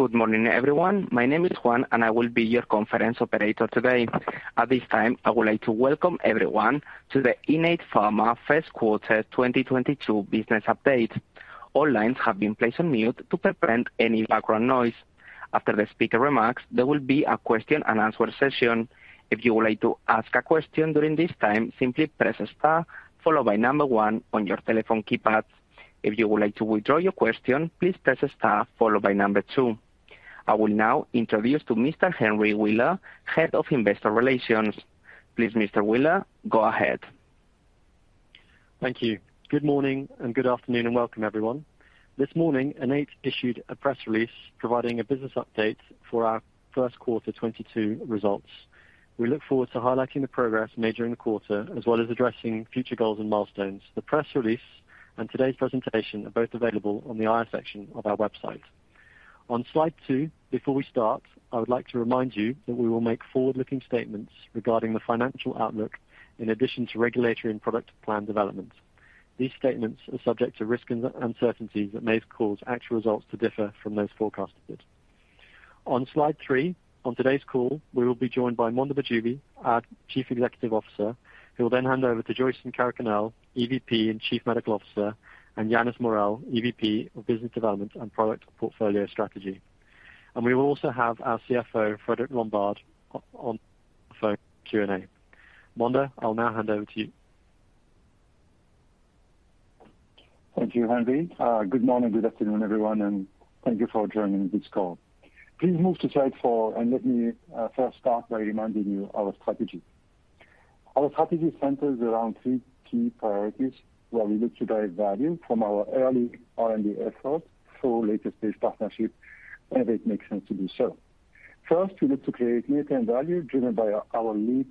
Good morning, everyone. My name is Juan, and I will be your conference operator today. At this time, I would like to welcome everyone to the Innate Pharma first quarter 2022 business update. All lines have been placed on mute to prevent any background noise. After the speaker remarks, there will be a question-and-answer session. If you would like to ask a question during this time, simply press star followed by number one on your telephone keypad. If you would like to withdraw your question, please press star followed by number two. I will now introduce to Mr. Henry Wheeler, Head of Investor Relations. Please, Mr. Wheeler, go ahead. Thank you. Good morning and good afternoon, and welcome everyone. This morning, Innate issued a press release providing a business update for our first quarter 2022 results. We look forward to highlighting the progress made during the quarter, as well as addressing future goals and milestones. The press release and today's presentation are both available on the IR section of our website. On slide two, before we start, I would like to remind you that we will make forward-looking statements regarding the financial outlook in addition to regulatory and product plan developments. These statements are subject to risks and uncertainties that may cause actual results to differ from those forecasted. On slide three, on today's call, we will be joined by Mondher Mahjoubi, our Chief Executive Officer, who will then hand over to Joyson Karakunnel, EVP and Chief Medical Officer, and Yannis Morel, EVP of Business Development and Product Portfolio Strategy. We will also have our CFO, Frédéric Lombard, on phone Q&A. Mondher, I'll now hand over to you. Thank you, Henry. Good morning, good afternoon, everyone, and thank you for joining this call. Please move to slide four and let me first start by reminding you our strategy. Our strategy centers around three key priorities, where we look to drive value from our early R&D efforts through later stage partnerships whenever it makes sense to do so. First, we look to create near-term value driven by our lead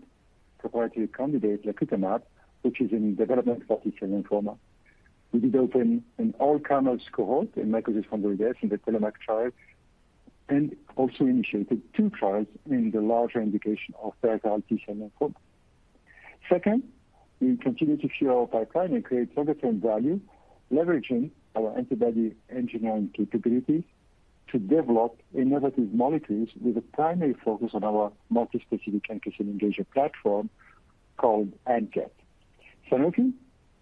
proprietary candidate, lacutamab, which is in development for T-cell lymphoma. We did open an all comers cohort in mycosis fungoides in the TELLOMAK trial, and also initiated two trials in the larger indication of peripheral T-cell lymphoma. Second, we continue to fuel our pipeline and create longer-term value, leveraging our antibody engineering capabilities to develop innovative molecules with a primary focus on our multispecific antigen engagement platform called ANKET. Sanofi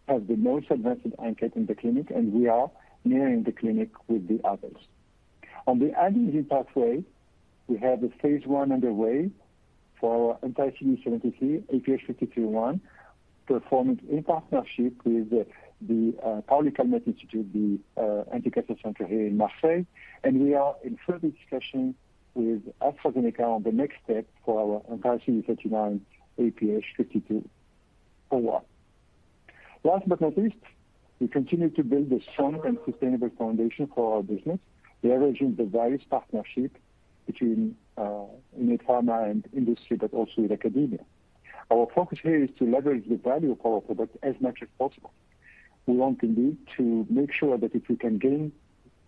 has the most advanced ANKET in the clinic, and we are nearing the clinic with the others. On the immune pathway, we have a phase I underway for anti-CD73 IPH5301, performed in partnership with the Institut Paoli-Calmettes, the anti-cancer center here in Marseille. We are in further discussion with AstraZeneca on the next step for our anti-CD39 IPH5201. Last but not least, we continue to build a strong and sustainable foundation for our business, leveraging the various partnerships between Innate Pharma and industry, but also with academia. Our focus here is to leverage the value of our product as much as possible. We want indeed to make sure that if we can gain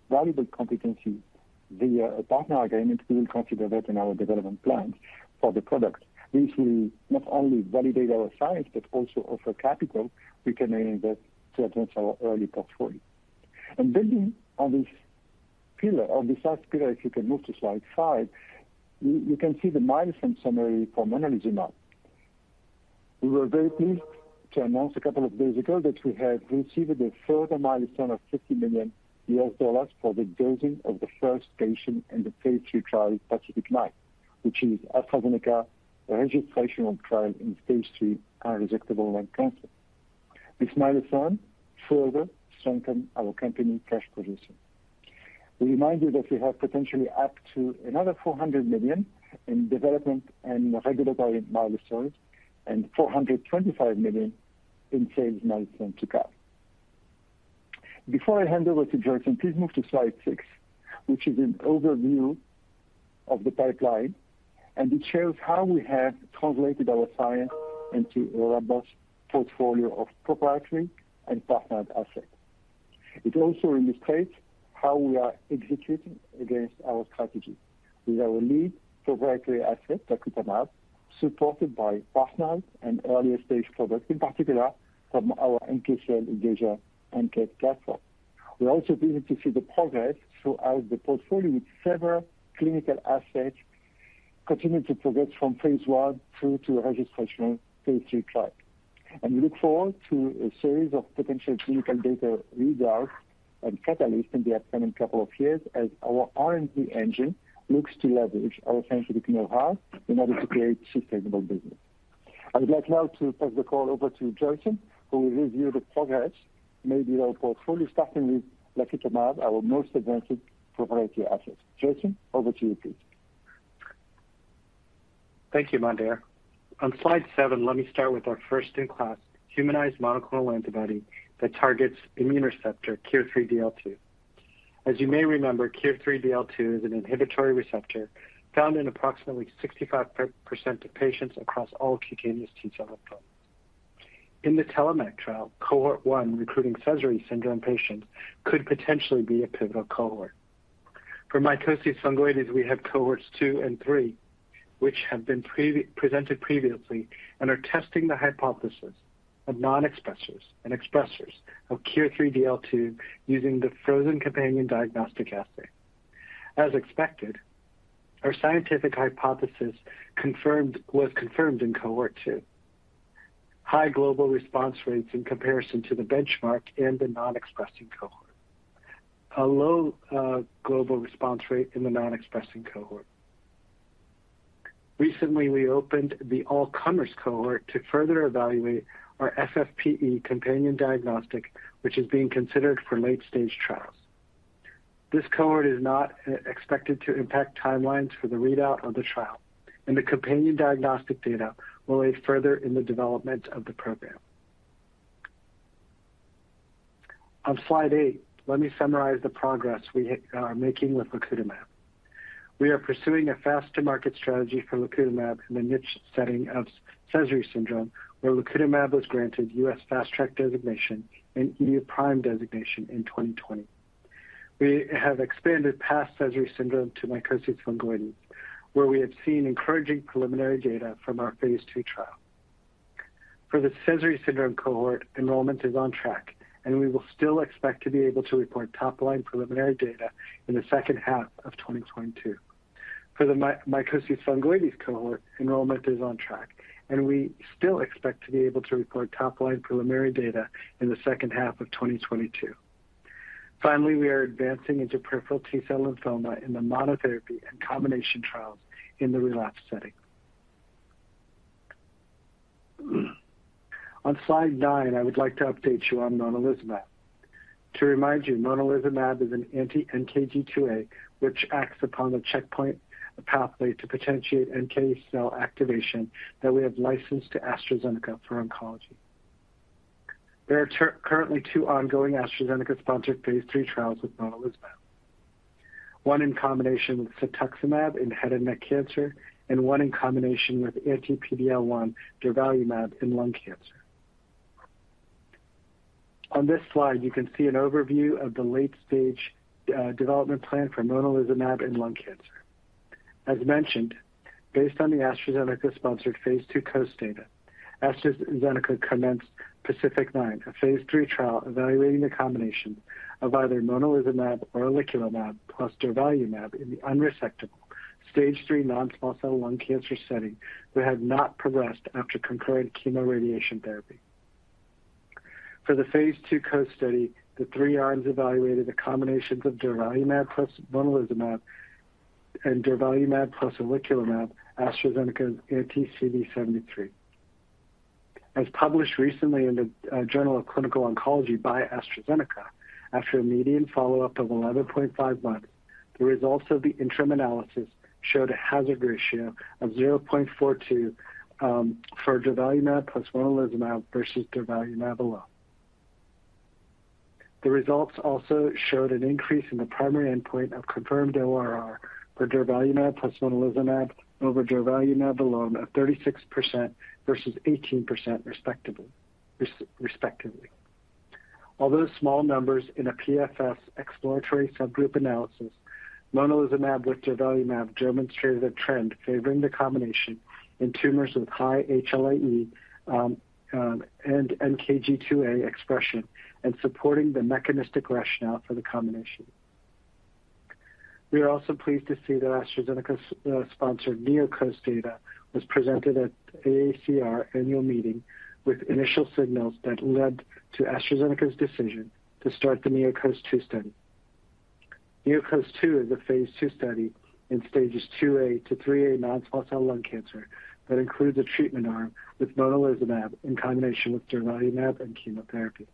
valuable competency via a partner agreement, we will consider that in our development plans for the product. This will not only validate our science, but also offer capital we can invest to advance our early portfolio. Building on this pillar, on this last pillar, if you can move to slide five, you can see the milestone summary from an annual view. We were very pleased to announce a couple of days ago that we had received a further milestone of $50 million for the dosing of the first patient in the phase III trial PACIFIC-9, which is AstraZeneca registration trial in phase III unresectable lung cancer. This milestone further strengthens our company cash position. We remind you that we have potentially up to another $400 million in development and regulatory milestones, and $425 million in sales milestones to come. Before I hand over to Joyson, please move to slide six, which is an overview of the pipeline, and it shows how we have translated our science into a robust portfolio of proprietary and partnered assets. It also illustrates how we are executing against our strategy with our lead proprietary asset, lacutamab, supported by partners and earlier stage products, in particular from our NK-cell engagement ANKET platform. We are also beginning to see the progress throughout the portfolio with several clinical assets continuing to progress from phase I through to registration phase III trial. We look forward to a series of potential clinical data results and catalysts in the upcoming couple of years as our R&D engine looks to leverage our scientific know-how in order to create sustainable business. I would like now to pass the call over to Joyson, who will review the progress made throughout our portfolio, starting with lacutamab, our most advanced proprietary asset. Joyson, over to you please. Thank you, Mondher. On slide seven, let me start with our first-in-class humanized monoclonal antibody that targets immune receptor KIR3DL2. As you may remember, KIR3DL2 is an inhibitory receptor found in approximately 65% of patients across all cutaneous T-cell lymphomas. In the TELLOMAK trial, Cohort 1 recruiting Sézary syndrome patients could potentially be a pivotal cohort. For mycosis fungoides, we have Cohorts 2 and 3 Which have been presented previously and are testing the hypothesis of non-expressers and expressers of KIR3DL2 using the frozen companion diagnostic assay. As expected, our scientific hypothesis was confirmed in Cohort 2. High global response rates in comparison to the benchmark and the non-expressing cohort. A low global response rate in the non-expressing cohort. Recently, we opened the all-comers cohort to further evaluate our FFPE companion diagnostic, which is being considered for late-stage trials. This cohort is not expected to impact timelines for the readout of the trial, and the companion diagnostic data will aid further in the development of the program. On slide eight, let me summarize the progress we are making with lacutamab. We are pursuing a fast-to-market strategy for lacutamab in the niche setting of Sézary syndrome, where lacutamab was granted U.S. Fast Track designation and EU PRIME designation in 2020. We have expanded past Sézary syndrome to mycosis fungoides, where we have seen encouraging preliminary data from our phase II trial. For the Sézary syndrome cohort, enrollment is on track, and we will still expect to be able to report top-line preliminary data in the second half of 2022. For the mycosis fungoides cohort, enrollment is on track, and we still expect to be able to report top-line preliminary data in the second half of 2022. Finally, we are advancing into peripheral T-cell lymphoma in the monotherapy and combination trials in the relapse setting. On slide nine, I would like to update you on monalizumab. To remind you, monalizumab is an anti-NKG2A, which acts upon the checkpoint pathway to potentiate NK cell activation that we have licensed to AstraZeneca for oncology. There are currently two ongoing AstraZeneca-sponsored phase III trials with monalizumab. One in combination with cetuximab in head and neck cancer and one in combination with anti-PD-L1 durvalumab in lung cancer. On this slide, you can see an overview of the late-stage development plan for monalizumab in lung cancer. As mentioned, based on the AstraZeneca-sponsored phase II COAST data, AstraZeneca commenced PACIFIC-9, a phase III trial evaluating the combination of either monalizumab or oleclumab plus durvalumab in the unresectable stage 3 non-small cell lung cancer setting that had not progressed after concurrent chemoradiation therapy. For the phase II COAST study, the three arms evaluated the combinations of durvalumab plus monalizumab and durvalumab plus oleclumab, AstraZeneca's anti-CD73. As published recently in the Journal of Clinical Oncology by AstraZeneca, after a median follow-up of 11.5 months, the results of the interim analysis showed a hazard ratio of 0.42 for durvalumab plus monalizumab versus durvalumab alone. The results also showed an increase in the primary endpoint of confirmed ORR for durvalumab plus monalizumab over durvalumab alone of 36% versus 18% respectively. Although small numbers in a PFS exploratory subgroup analysis, monalizumab with durvalumab demonstrated a trend favoring the combination in tumors with high HLA-E and NKG2A expression and supporting the mechanistic rationale for the combination. We are also pleased to see that AstraZeneca sponsored NeoCOAST data was presented at AACR annual meeting with initial signals that led to AstraZeneca's decision to start the NeoCOAST-2 study. NeoCOAST-2 is a phase II study in stages 2-A to 3-A non-small cell lung cancer that includes a treatment arm with monalizumab in combination with durvalumab and chemotherapy.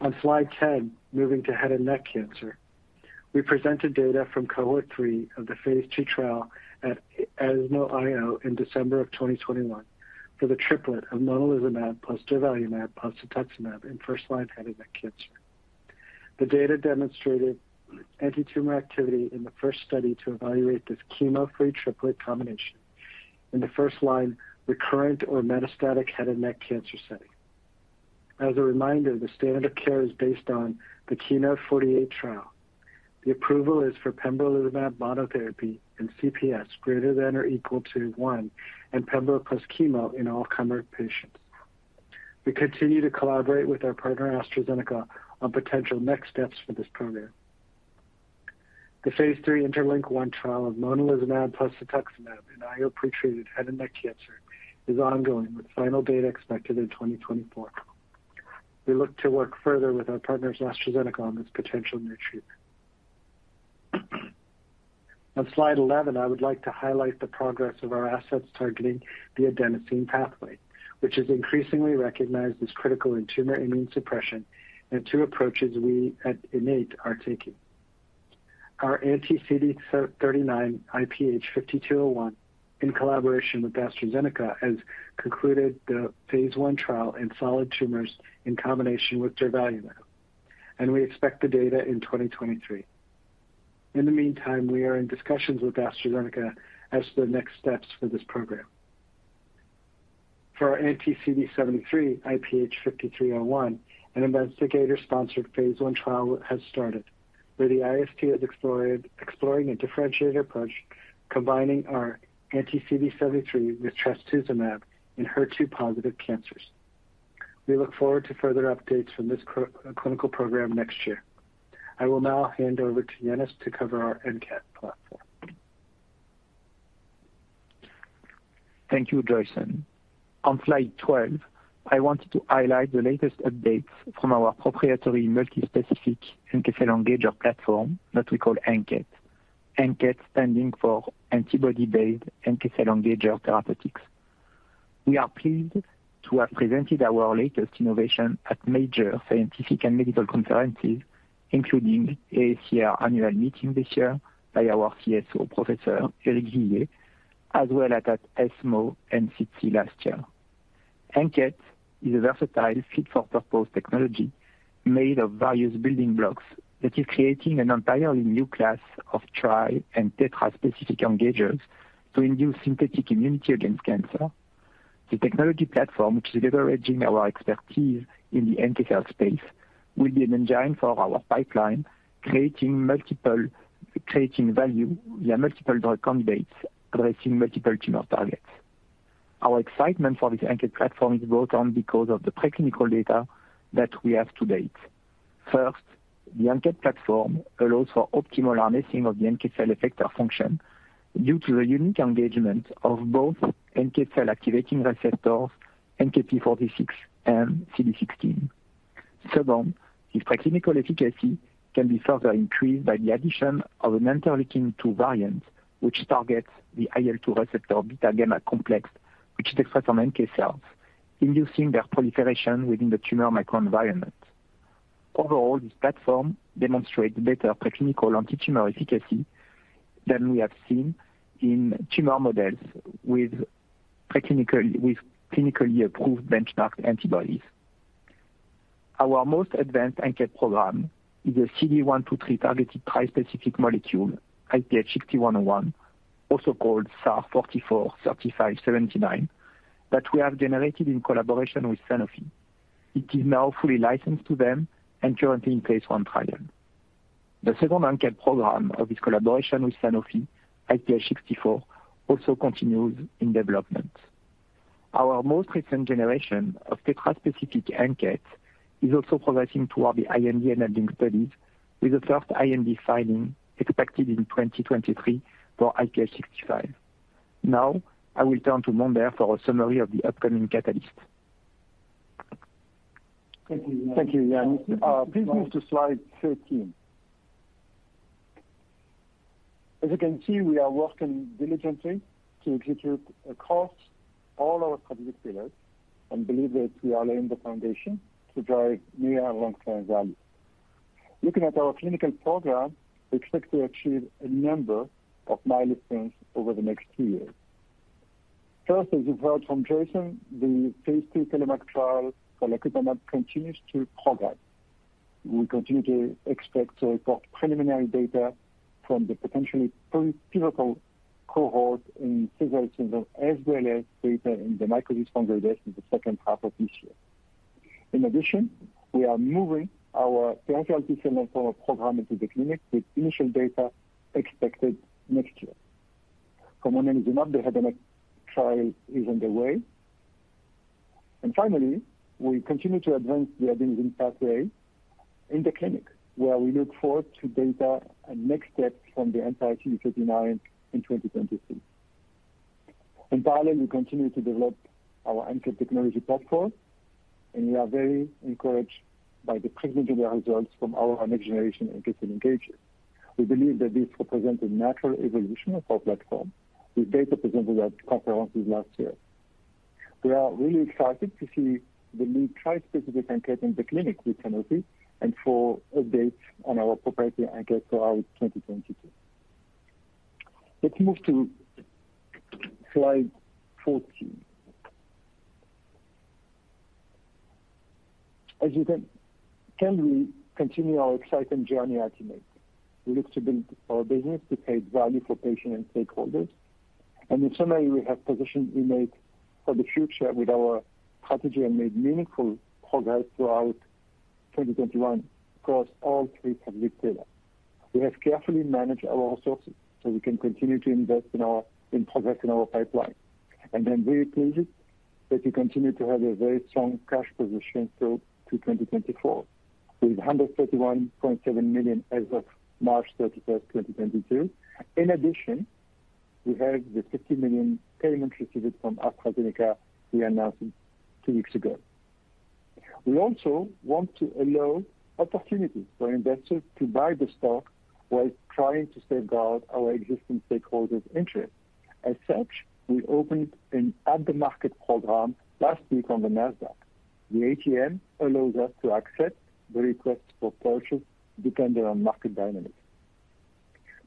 On slide 10, moving to head and neck cancer. We presented data from Cohort 3 of the phase II trial at ESMO I/O in December 2021 for the triplet of monalizumab plus durvalumab plus cetuximab in first-line head and neck cancer. The data demonstrated antitumor activity in the first study to evaluate this chemo-free triplet combination in the first-line recurrent or metastatic head and neck cancer setting. As a reminder, the standard of care is based on the KEYNOTE-048 trial. The approval is for pembrolizumab monotherapy in CPS greater than or equal to one and pembro plus chemo in all-comer patients. We continue to collaborate with our partner, AstraZeneca, on potential next steps for this program. The phase III INTERLINK-1 trial of monalizumab plus cetuximab in IO-pretreated head and neck cancer is ongoing, with final data expected in 2024. We look to work further with our partners, AstraZeneca, on this potential new treatment. On slide 11, I would like to highlight the progress of our assets targeting the adenosine pathway, which is increasingly recognized as critical in tumor immune suppression and two approaches we at Innate are taking. Our anti-CD39 IPH5201 in collaboration with AstraZeneca has concluded the phase I trial in solid tumors in combination with durvalumab, and we expect the data in 2023. In the meantime, we are in discussions with AstraZeneca as to the next steps for this program. For our anti-CD73 IPH5301, an investigator-sponsored phase I trial has started, where the IST is exploring a differentiated approach combining our anti-CD73 with trastuzumab in HER2 positive cancers. We look forward to further updates from this clinical program next year. I will now hand over to Yannis to cover our ANKET platform. Thank you, Joyson. On slide 12, I wanted to highlight the latest updates from our proprietary multi-specific NK cell engager platform that we call ANKET. ANKET standing for antibody-based NK cell engager therapeutics. We are pleased to have presented our latest innovation at major scientific and medical conferences, including AACR annual meeting this year by our CSO, Professor Eric Vivier, as well as at ESMO and SITC last year. ANKET is a versatile fit-for-purpose technology made of various building blocks that is creating an entirely new class of tri- and tetra-specific engagers to induce synthetic immunity against cancer. The technology platform, which is leveraging our expertise in the NK cell space, will be an engine for our pipeline, creating value via multiple drug candidates addressing multiple tumor targets. Our excitement for this ANKET platform is built on because of the preclinical data that we have to date. First, the ANKET platform allows for optimal harnessing of the NK cell effector function due to the unique engagement of both NK cell activating receptors, NKp46 and CD16. Second, this preclinical efficacy can be further increased by the addition of an interleukin-two variant, which targets the IL-2 receptor beta gamma complex, which express on NK cells, inducing their proliferation within the tumor microenvironment. Overall, this platform demonstrates better preclinical anti-tumor efficacy than we have seen in tumor models with clinically approved benchmarked antibodies. Our most advanced ANKET program is a CD123 targeted tri-specific molecule, IPH6101, also called SAR 443579, that we have generated in collaboration with Sanofi. It is now fully licensed to them and currently in phase I trial. The second ANKET program of this collaboration with Sanofi, IPH6401, also continues in development. Our most recent generation of tetra-specific ANKET is also progressing toward the IND-enabling studies, with the first IND filing expected in 2023 for IPH6501. Now, I will turn to Mondher for a summary of the upcoming catalysts. Thank you, Yannis. Please move to slide 13. As you can see, we are working diligently to execute across all our strategic pillars and believe that we are laying the foundation to drive near and long-term value. Looking at our clinical program, we expect to achieve a number of milestones over the next two years. First, as you've heard from Joyson, the phase II TELLOMAK trial for lacutamab continues to progress. We continue to expect to report preliminary data from the potentially pre-pivotal cohort in Sézary syndrome, as well as data in the mycosis fungoides in the second half of this year. In addition, we are moving our anti-NKG2A program into the clinic, with initial data expected next year. Monalizumab in the head and neck trial is underway. Finally, we continue to advance the adenosine pathway in the clinic, where we look forward to data and next steps from the anti-CD39 in 2023. In parallel, we continue to develop our ANKET technology platform, and we are very encouraged by the preclinical results from our next generation NK cell engagers. We believe that this represents a natural evolution of our platform, with data presented at conferences last year. We are really excited to see the new tri-specific ANKET in the clinic with Sanofi, and for updates on our proprietary ANKET throughout 2022. Let's move to slide 14. As you can see, we continue our exciting journey at Innate. We look to build our business to create value for patients and stakeholders. In summary, we have positioned Innate for the future with our strategy and made meaningful progress throughout 2021 across all three strategic pillars. We have carefully managed our resources so we can continue to invest in our progress in our pipeline. I'm very pleased that we continue to have a very strong cash position through to 2024, with 131.7 million as of March 31st, 2022. In addition, we have the 50 million payment received from AstraZeneca we announced two weeks ago. We also want to allow opportunities for investors to buy the stock while trying to safeguard our existing stakeholders' interest. As such, we opened an at-the-market program last week on the Nasdaq. The ATM allows us to accept the request for purchase dependent on market dynamics.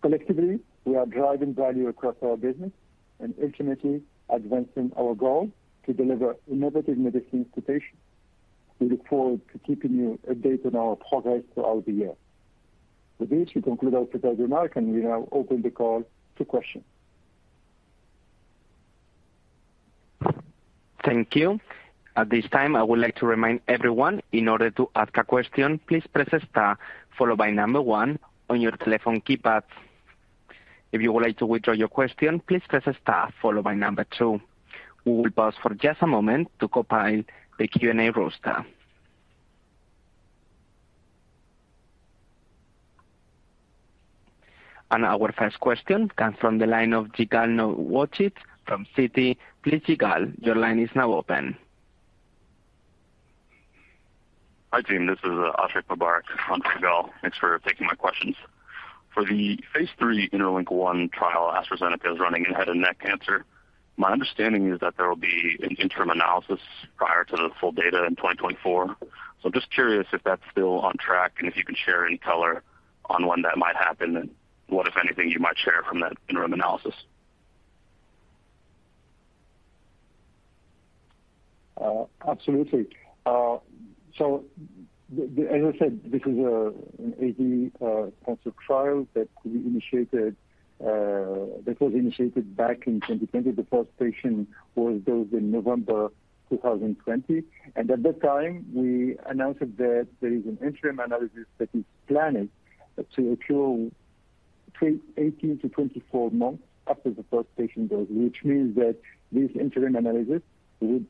Collectively, we are driving value across our business and ultimately advancing our goal to deliver innovative medicine to patients. We look forward to keeping you updated on our progress throughout the year. With this, we conclude our prepared remarks, and we now open the call to questions. Thank you. At this time, I would like to remind everyone, in order to ask a question, please press star followed by number one on your telephone keypad. If you would like to withdraw your question, please press star followed by number two. We will pause for just a moment to compile the Q&A roster. Our first question comes from the line of Yigal Nochomovitz from Citi. Please, Yigal, your line is now open. Hi, team. This is Ashiq Mubarack from Citi. Thanks for taking my questions. For the phase III INTERLINK-1 trial AstraZeneca is running in head and neck cancer, my understanding is that there will be an interim analysis prior to the full data in 2024. Just curious if that's still on track, and if you can share any color on when that might happen and what, if anything, you might share from that interim analysis. Absolutely. So, as I said, this is an AD cancer trial that we initiated, that was initiated back in 2020. The first patient was dosed in November 2020. At that time, we announced that there is an interim analysis that is planned to occur between 18-24 months after the first patient dose, which means that this interim analysis would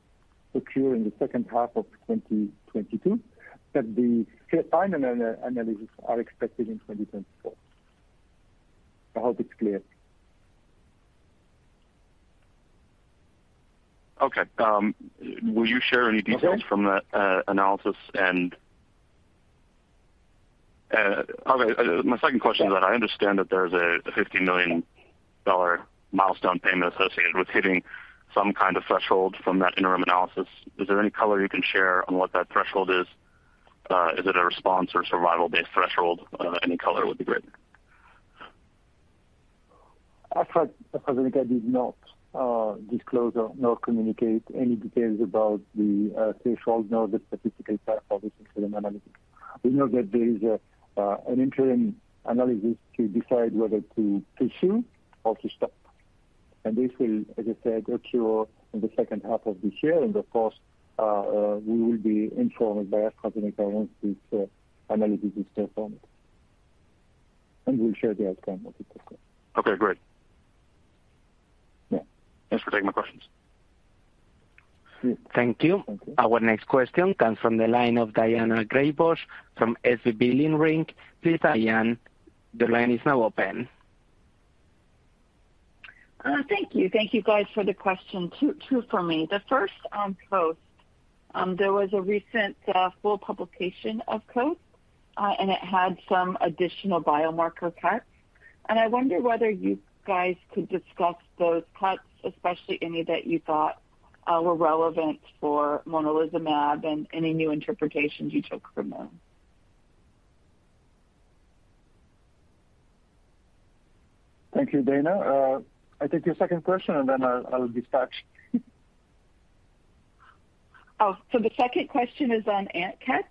occur in the second half of 2022, but the final analysis are expected in 2024. I hope it's clear. Okay. Will you share any details? Okay. My second question is that I understand that there's a $50 million milestone payment associated with hitting some kind of threshold from that interim analysis. Is there any color you can share on what that threshold is? Is it a response or survival-based threshold? Any color would be great. AstraZeneca did not disclose or nor communicate any details about the threshold nor the statistical test for this interim analysis. We know that there is a an interim analysis to decide whether to pursue or to stop. This will, as I said, occur in the second half of this year. Of course, we will be informed by AstraZeneca once this analysis is performed. We'll share the outcome of the discussion. Okay, great. Yeah. Thanks for taking my questions. Sure. Thank you. Thank you. Our next question comes from the line of Daina Graybosch from SVB Leerink. Please, Daina, the line is now open. Thank you. Thank you guys for the question. Two for me. The first on COAST. There was a recent full publication of COAST, and it had some additional biomarker cuts. I wonder whether you guys could discuss those cuts, especially any that you thought were relevant for monalizumab and any new interpretations you took from them. Thank you, Daina. I'll take your second question, and then I will be back. The second question is on ANKET.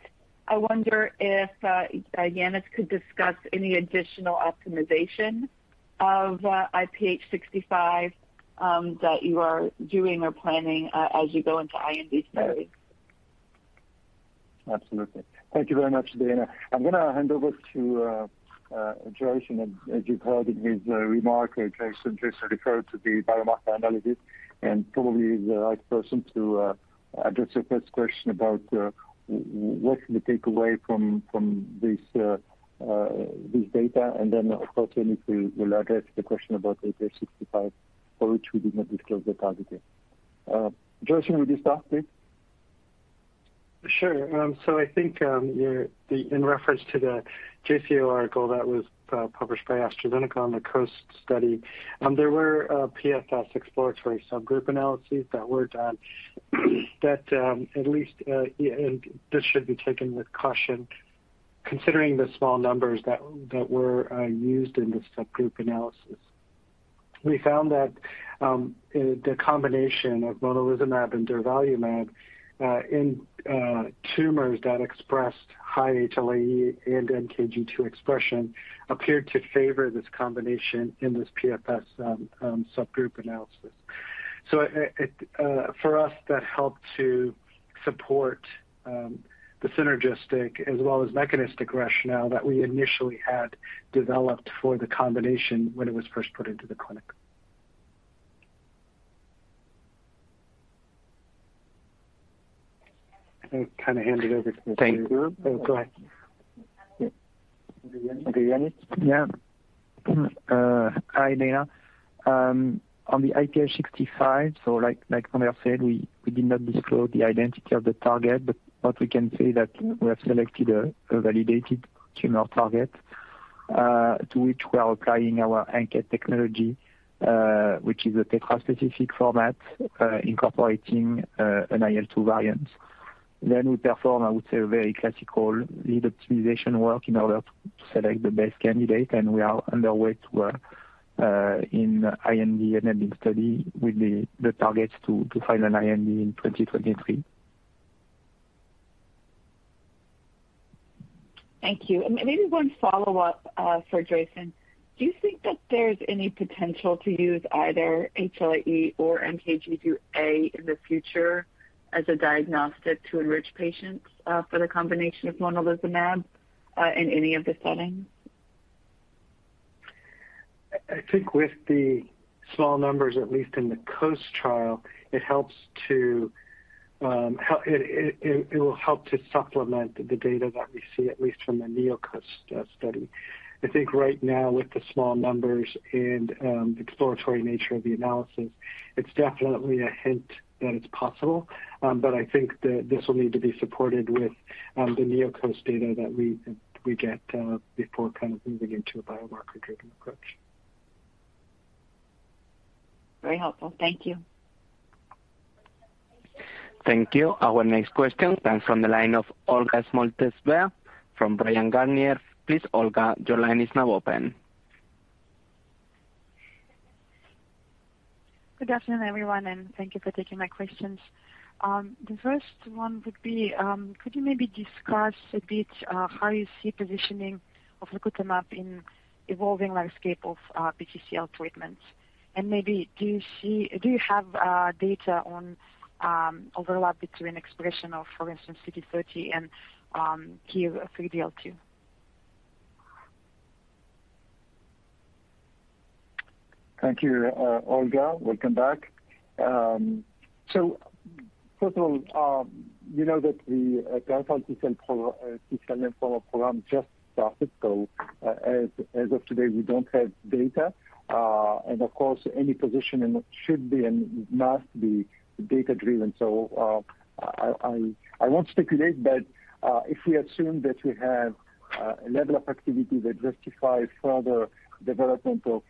I wonder if Yannis could discuss any additional optimization of IPH65 that you are doing or planning as you go into IND studies. Absolutely. Thank you very much, Daina. I'm gonna hand over to Joyson. As you've heard in his remark, Joyson just referred to the biomarker analysis and probably is the right person to address your first question about what's the takeaway from this data. Of course, Yannis will address the question about IPH sixty-five, for which we did not disclose the target yet. Joyson, would you start, please? Sure. I think in reference to the JCO article that was published by AstraZeneca on the COAST study, there were PFS exploratory subgroup analyses that were done that at least yeah and this should be taken with caution, considering the small numbers that were used in the subgroup analysis. We found that the combination of monalizumab and durvalumab in tumors that expressed high HLA-E and NKG2A expression appeared to favor this combination in this PFS subgroup analysis. It for us that helped to support the synergistic as well as mechanistic rationale that we initially had developed for the combination when it was first put into the clinic. I think I'll hand it over to- Thank you. Oh, go ahead. Yannis. Yeah. Hi, Daina. On the IPH65, so like Mondher said, we did not disclose the identity of the target, but what we can say that we have selected a validated tumor target to which we are applying our ANKET technology, which is a tetra-specific format incorporating an IL-2 variant. We perform, I would say, a very classical lead optimization work in order to select the best candidate, and we are underway to in IND-enabling study with the target to file an IND in 2023. Thank you. Maybe one follow-up for Joyson. Do you think that there's any potential to use either HLA-E or NKG2A in the future as a diagnostic to enrich patients for the combination of monalizumab in any of the settings? I think with the small numbers, at least in the COAST trial, it will help to supplement the data that we see, at least from the NeoCOAST study. I think right now, with the small numbers and exploratory nature of the analysis, it's definitely a hint that it's possible. I think that this will need to be supported with the NeoCOAST data that we get before kind of moving into a biomarker-driven approach. Very helpful. Thank you. Thank you. Our next question comes from the line of Olga Smolentseva from Bryan, Garnier. Please, Olga, your line is now open. Good afternoon, everyone, and thank you for taking my questions. The first one would be, could you maybe discuss a bit, how you see positioning of lacutamab in evolving landscape of PTCL treatments? Maybe do you have data on overlap between expression of, for instance, CD30 and KIR3DL2? Thank you, Olga. Welcome back. First of all, you know that the giant cell lymphoma program just started, as of today, we don't have data. Of course, any positioning should be and must be data-driven. I won't speculate, but if we assume that we have a level of activity that justifies further development of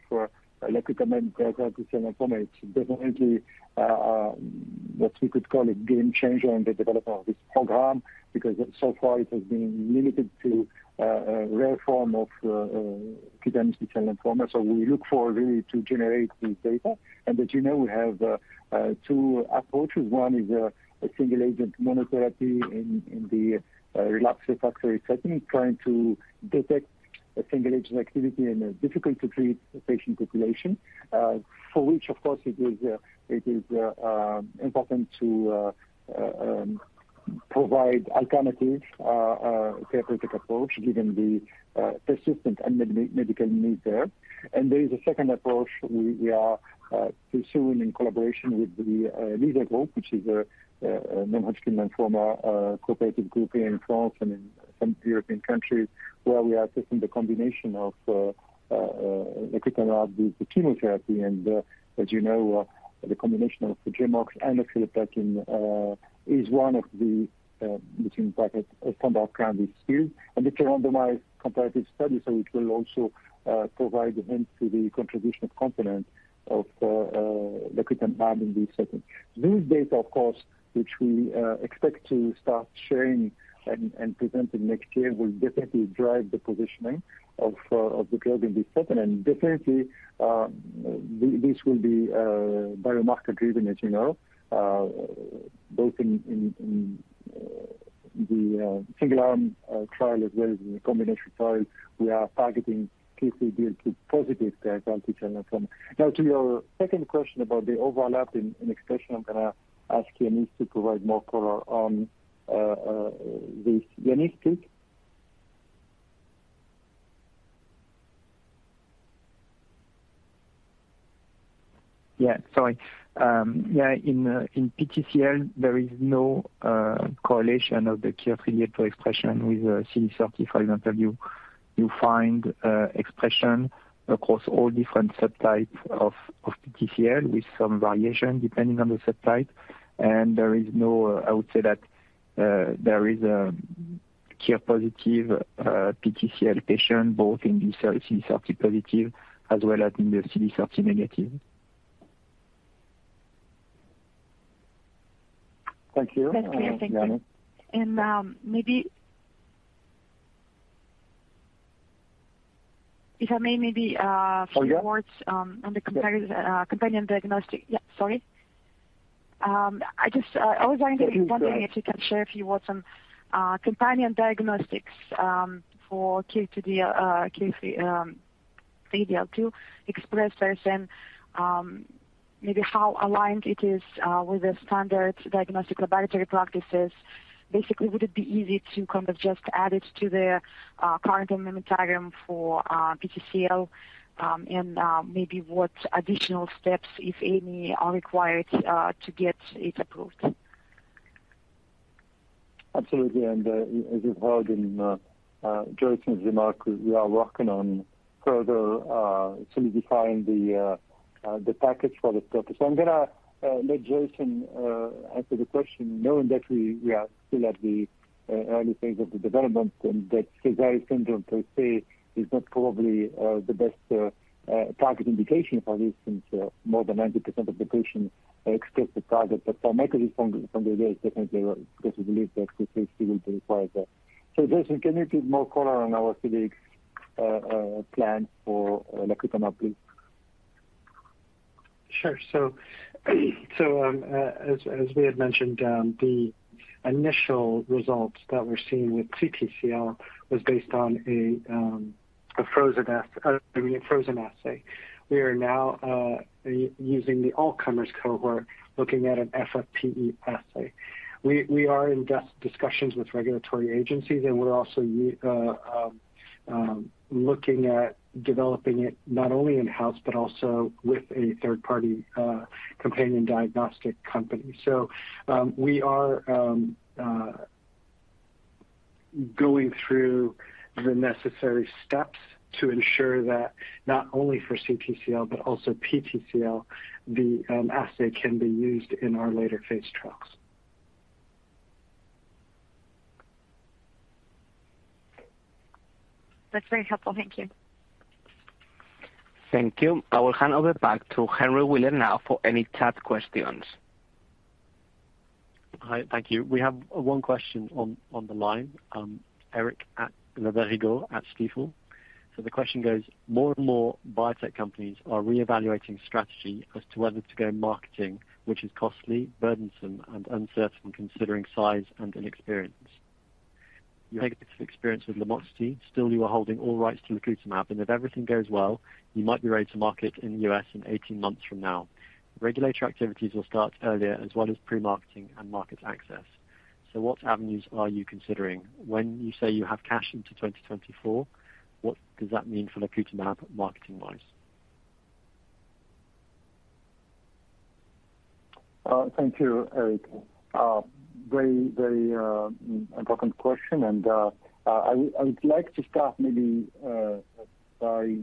lacutamab giant cell lymphoma, it's definitely what we could call a game changer in the development of this program because so far it has been limited to a rare form of peripheral T-cell lymphoma. We look forward really to generate this data. As you know, we have two approaches. One is a single agent monotherapy in the relapsed refractory setting, trying to detect a single agent activity in a difficult to treat patient population, for which of course it is important to provide alternative therapeutic approach given the persistent unmet medical need there. There is a second approach we are pursuing in collaboration with the LYSA, which is a non-Hodgkin lymphoma cooperative group in France and in some European countries where we are testing the combination of lacutamab with the chemotherapy. As you know, the combination of the GemOx and lacutamab is one of the between bracket standard of care. It's a randomized comparative study, so it will also provide a hint to the contribution of component of lacutamab in this setting. These data, of course, which we expect to start sharing and presenting next year, will definitely drive the positioning of the drug in this setting. This will be biomarker-driven, as you know, both in the single arm trial as well as in the combination trial. We are targeting KIR3DL2 positive large cell lymphoma. Now to your second question about the overlap in expression, I'm gonna ask Yannis to provide more color on this. Yannis, please. Yeah, sorry. Yeah, in PTCL, there is no correlation of the KIR3DL2 expression with CD30. For example, you find expression across all different subtypes of PTCL with some variation depending on the subtype. I would say that there is a KIR positive PTCL patient both in the CD30 positive as well as in the CD30 negative. Thank you. That's clear. Thank you. Yannis. If I may, maybe Oh, yeah. A few words on the companion diagnostic. Yeah, sorry. I just I was wondering- Please. If you can share a few words on companion diagnostics for KIR3DL2 expressers and maybe how aligned it is with the standard diagnostic laboratory practices. Basically, would it be easy to kind of just add it to the current regimen for PTCL and maybe what additional steps, if any, are required to get it approved? Absolutely. As you've heard in Joyson's remarks, we are working on further solidifying the package for this purpose. I'm gonna let Joyson answer the question knowing that we are still at the early phase of the development and that Sézary syndrome per se is not probably the best target indication for this since more than 90% of the patients fit the target. But pharmacologically from the data, it's definitely because we believe that this is still required there. Joyson, can you give more color on our CDx plan for lacutamab, please? Sure. We had mentioned the initial results that we're seeing with CTCL was based on a frozen assay. I mean, a frozen assay. We are now using the all-comers cohort looking at an FFPE assay. We are in discussions with regulatory agencies, and we're also looking at developing it not only in-house but also with a third-party companion diagnostic company. We are going through the necessary steps to ensure that not only for CTCL but also PTCL, the assay can be used in our later phase trials. That's very helpful. Thank you. Thank you. I will hand over back to Henry Wheeler now for any chat questions. Hi. Thank you. We have one question on the line, Eric Le Berrigaud at Stifel. The question goes: More and more biotech companies are reevaluating strategy as to whether to go marketing, which is costly, burdensome, and uncertain considering size and inexperience. You have negative experience with Lumoxiti. Still, you are holding all rights to lacutamab, and if everything goes well, you might be ready to market in the U.S. in 18 months from now. Regulatory activities will start earlier, as well as pre-marketing and market access. What avenues are you considering? When you say you have cash into 2024, what does that mean for lacutamab marketing-wise? Thank you, Eric. Very important question. I would like to start maybe by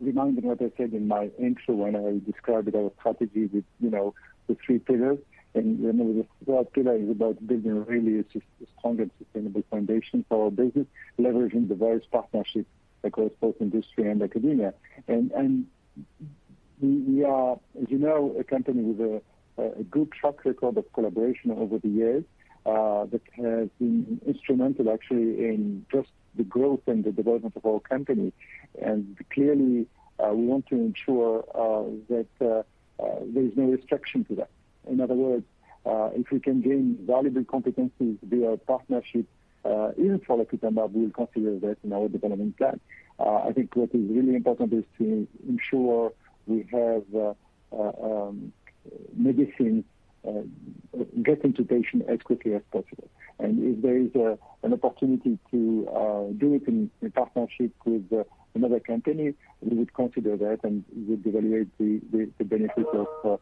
reminding what I said in my intro when I described our strategy with, you know, the three pillars. One of the core pillar is about building really a strong and sustainable foundation for our business, leveraging the various partnerships across both industry and academia. We are, as you know, a company with a good track record of collaboration over the years that has been instrumental actually in just the growth and the development of our company. Clearly, we want to ensure that there is no restriction to that. In other words, if we can gain valuable competencies via partnership, even for lacutamab, we'll consider that in our development plan. I think what is really important is to ensure we have medicine get into patients as quickly as possible. If there is an opportunity to do it in partnership with another company, we would consider that and would evaluate the benefits of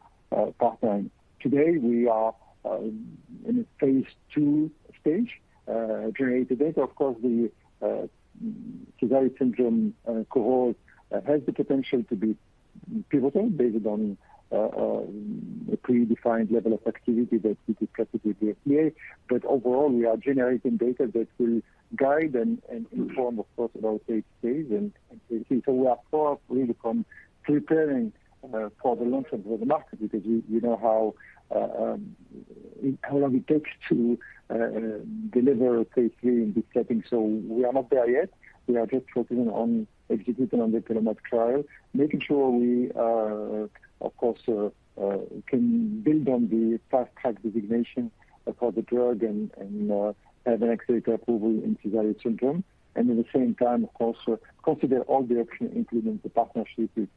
partnering. Today, we are in a phase II stage generating data. Of course, the Sézary syndrome cohort has the potential to be pivotal based on a predefined level of activity that we discussed with the FDA. Overall, we are generating data that will guide and inform, of course, about phase stage and phase III. We are far away from preparing for the launch of the market because you know how long it takes to deliver a phase III in this setting. We are not there yet. We are just focusing on executing on the TELLOMAK trial, making sure we can build on the Fast Track designation for the drug and have an accelerated approval in Sézary syndrome. At the same time, of course, consider all the options, including the partnership if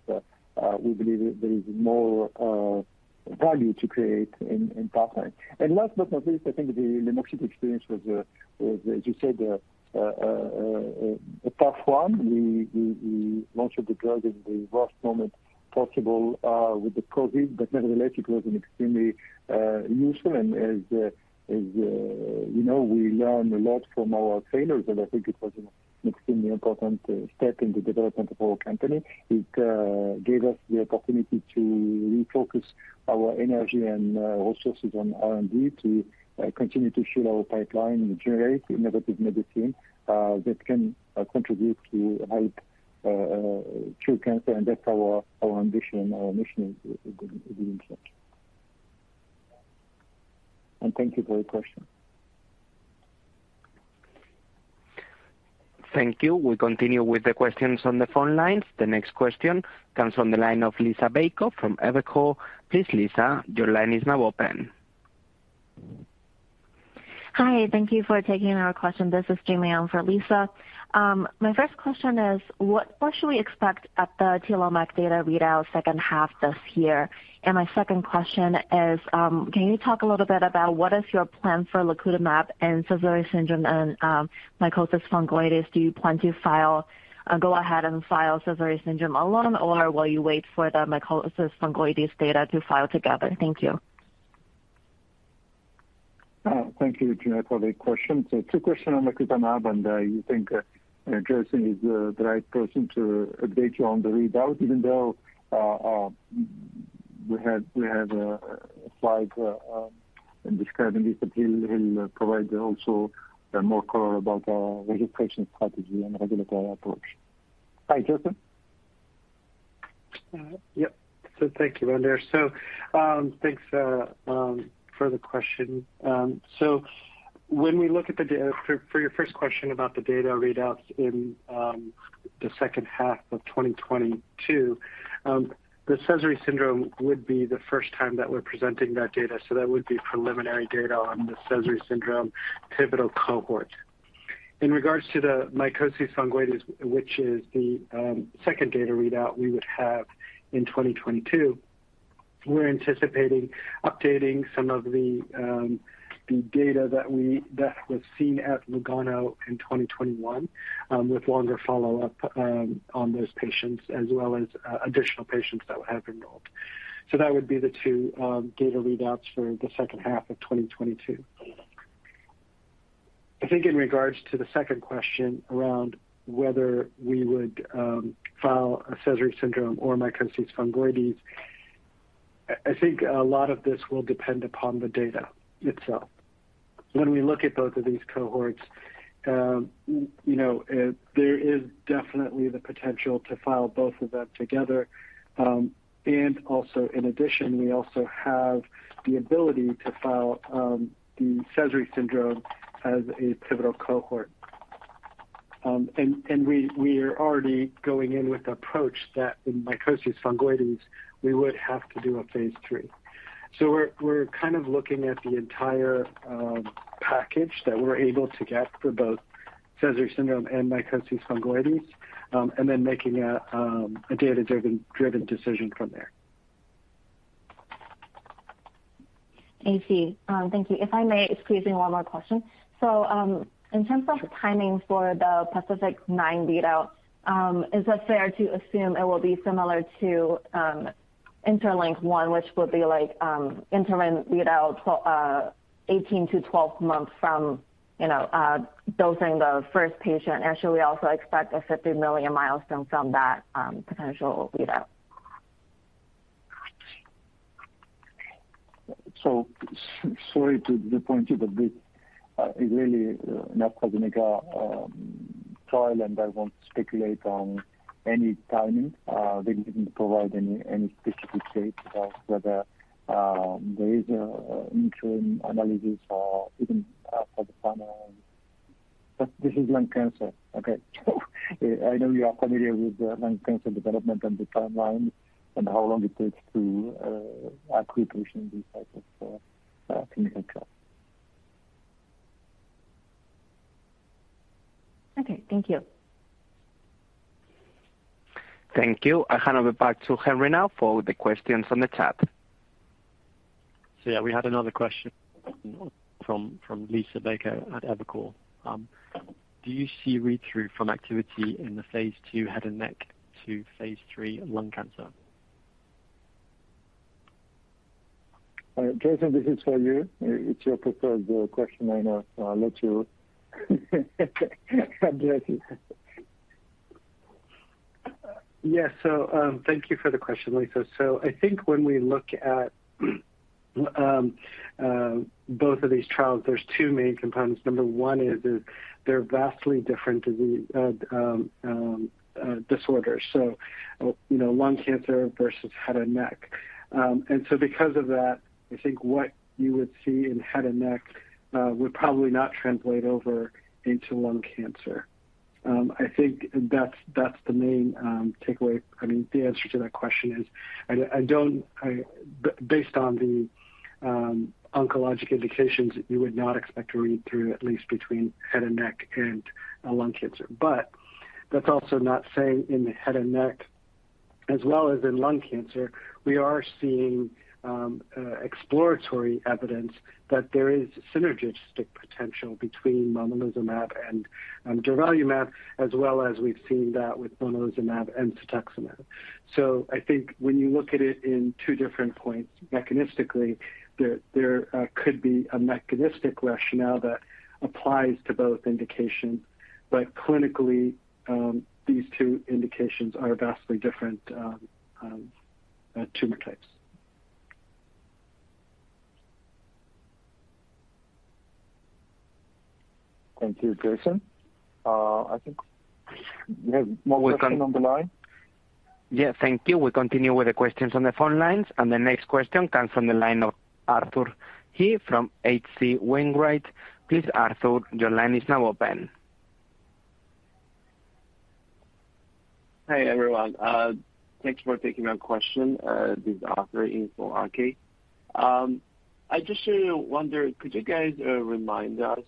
we believe there is more value to create in partnering. Last but not least, I think the lomustine experience was, as you said, a tough one. We launched the drug at the worst moment possible with the COVID, but nevertheless, it was an extremely useful. As you know, we learn a lot from our failures, and I think it was an extremely important step in the development of our company. It gave us the opportunity to refocus our energy and resources on R&D to continue to fill our pipeline and generate innovative medicine that can contribute to help cure cancer. That's our ambition, our mission at Innate Pharma. Thank you for your question. Thank you. We continue with the questions on the phone lines. The next question comes from the line of Liisa Bayko from Evercore. Please, Liisa, your line is now open. Hi. Thank you for taking our question. This is Gina Yang for Liisa. My first question is, what should we expect at the TELLOMAK data readout second half this year? My second question is, can you talk a little bit about what is your plan for lacutamab and Sézary syndrome and mycosis fungoides? Do you plan to file, go ahead and file Sézary syndrome alone, or will you wait for the mycosis fungoides data to file together? Thank you. Thank you, Gina, for the question. Two question on lacutamab, and I think, you know, Joyson is the right person to update you on the readout, even though we had a slide in describing this, but he'll provide also more color about our registration strategy and regulatory approach. Hi, Joyson. Thank you, Mondher. Thanks for the question. For your first question about the data readouts in the second half of 2022, the Sézary syndrome would be the first time that we're presenting that data, so that would be preliminary data on the Sézary syndrome pivotal cohort. In regards to the mycosis fungoides, which is the second data readout we would have in 2022, we're anticipating updating some of the data that was seen at Lugano in 2021, with longer follow-up on those patients as well as additional patients that have enrolled. That would be the two data readouts for the second half of 2022. I think in regards to the second question around whether we would file for Sézary syndrome or mycosis fungoides, I think a lot of this will depend upon the data itself. When we look at both of these cohorts, you know, there is definitely the potential to file both of them together. Also in addition, we also have the ability to file for the Sézary syndrome as a pivotal cohort. We are already going in with the approach that in mycosis fungoides we would have to do a phase III. We're kind of looking at the entire package that we're able to get for both Sézary syndrome and mycosis fungoides, and then making a data-driven decision from there. I see. Thank you. If I may, squeezing one more question. In terms of timing for the PACIFIC-9 readout, is it fair to assume it will be similar to INTERLINK-1, which would be like interim readout 12-18 months from, you know, dosing the first patient? And should we also expect a $50 million milestone from that potential readout? Sorry to disappoint you, but this is really an off-label trial, and I won't speculate on any timing. They didn't provide any specific dates of whether there is an interim analysis or even for the final. This is lung cancer, okay? I know you are familiar with the lung cancer development and the timeline and how long it takes to accomplish these types of clinical trials. Okay, thank you. Thank you. I hand over back to Henry now for the questions on the chat. We had another question from Liisa Bayko at Evercore. Do you see read-through from activity in the phase II head and neck to phase III lung cancer? Joyson, this is for you. It's your preferred question. I know. I'll let you address it. Yes. Thank you for the question, Liisa. I think when we look at both of these trials, there's two main components. Number one is they're vastly different disorders. You know, lung cancer versus head and neck. Because of that, I think what you would see in head and neck would probably not translate over into lung cancer. I think that's the main takeaway. I mean, the answer to that question is I don't. Based on the oncologic indications, you would not expect to read through at least between head and neck and lung cancer. That's also noting in the head and neck, as well as in lung cancer, we are seeing exploratory evidence that there is synergistic potential between monalizumab and durvalumab, as well as we've seen that with monalizumab and cetuximab. I think when you look at it in two different points mechanistically, there could be a mechanistic rationale that applies to both indications. Clinically, these two indications are vastly different tumor types. Thank you, Joyson. I think we have more questions on the line. Yeah. Thank you. We continue with the questions on the phone lines, and the next question comes from the line of Arthur He from H.C. Wainwright. Please, Arthur, your line is now open. Hi, everyone. Thanks for taking my question. This is Arthur He from H.C. Wainwright. I just wonder, could you guys remind us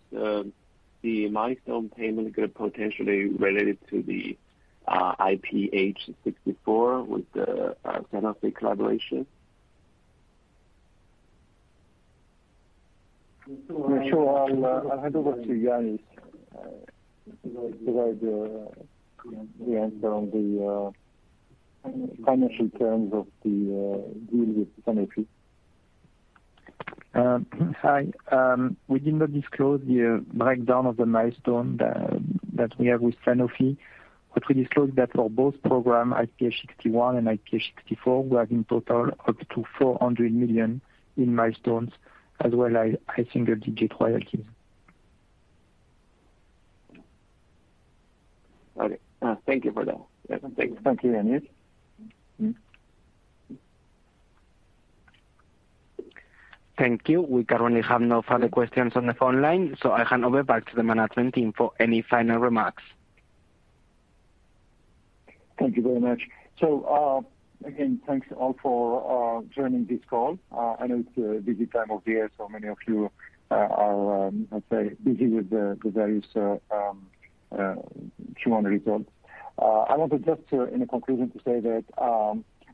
the milestone payment could potentially related to the IPH64 with the Sanofi collaboration? Sure. I'll hand over to Yannis to provide the answer on the financial terms of the deal with Sanofi. We did not disclose the breakdown of the milestone that we have with Sanofi. What we disclosed that for both program, IPH61 and IPH64, we have in total up to 400 million in milestones as well as high single-digit royalties. Okay. Thank you for that. Yeah. Thank you, Yannis. Thank you. We currently have no further questions on the phone line, so I hand over back to the management team for any final remarks. Thank you very much. Again, thanks all for joining this call. I know it's a busy time of year, so many of you are, let's say, busy with the various Q1 results. I wanted just to, in a conclusion, to say that,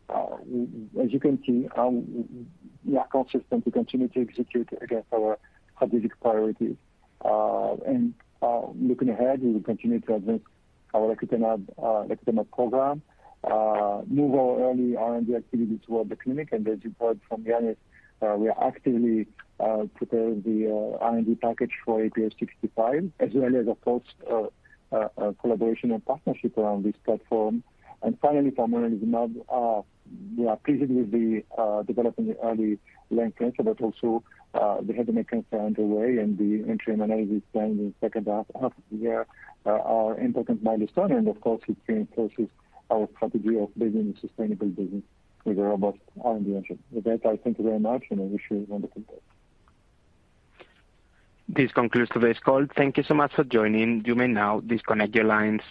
as you can see, we are consistent. We continue to execute against our strategic priorities. Looking ahead, we will continue to advance our lacutamab program, move our early R&D activity toward the clinic. As you've heard from Yannis, we are actively preparing the R&D package for IPH65, as well as of course, a collaboration and partnership around this platform. Finally, for omalizumab, we are pleased with the development in early lung cancer, but also the head and neck cancer underway and the interim analysis planned in second half of the year are important milestones. Of course, it reinforces our strategy of building a sustainable business with a robust R&D engine. With that, I thank you very much, and I wish you a wonderful day. This concludes today's call. Thank you so much for joining. You may now disconnect your lines.